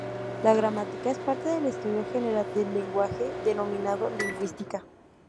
La gramática es parte del estudio general del lenguaje denominado lingüística.